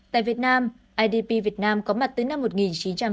tại việt nam idp việt nam có mặt tới năm hai nghìn một mươi năm